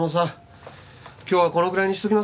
今日はこのぐらいにしておきますか？